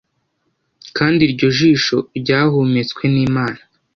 Kandi iryo jisho ryahumetswe n'Imana,